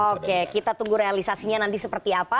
oke kita tunggu realisasinya nanti seperti apa